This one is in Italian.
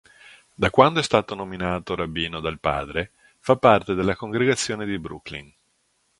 Da quando è stato nominato rabbino dal padre fa parte della congregazione di Brooklyn.